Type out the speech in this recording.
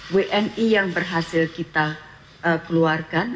wni yang berhasil kita keluarkan